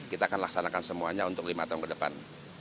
kita akan laksanakan semuanya untuk lima tahun ke depan